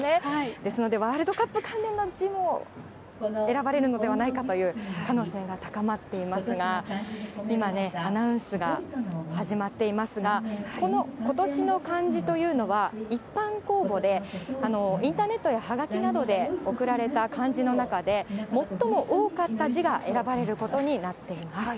ですので、ワールドカップ関連の字も選ばれるのではないかという可能性が高まっていますが、今ね、アナウンスが始まっていますが、この今年の漢字というのは、一般公募で、インターネットやはがきなどで送られた漢字の中で、最も多かった字が選ばれることになっています。